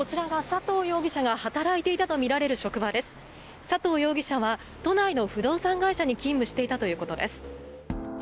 佐藤容疑者は都内の不動産会社に勤務していたということです。